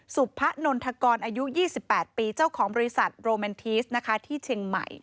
พะนนทกรอายุ๒๘ปีเจ้าของบริษัทโรแมนทีสนะคะที่เชียงใหม่